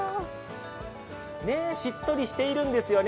しっとりしているんですよね。